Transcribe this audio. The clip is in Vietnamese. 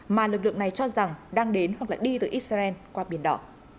mà lực lượng này cho rằng đang đến hoặc đi từ israel qua biển đỏ